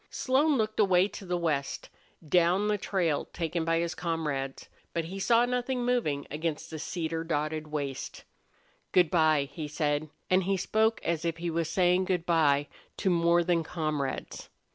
Slone looked away to the west, down the trail taken by his comrades, but he saw nothing moving against that cedar dotted waste. "Good by," he said, and he spoke as if he was saying good by to more than comrades.